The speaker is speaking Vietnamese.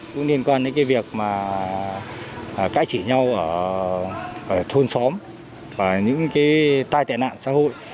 cũng liên quan đến cái việc mà cãi chửi nhau ở thôn xóm và những cái tai tệ nạn xã hội